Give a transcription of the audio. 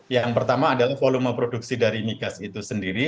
yang pertama adalah volume produksi dari migas itu sendiri